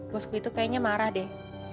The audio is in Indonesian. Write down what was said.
bosku itu kayaknya marah deh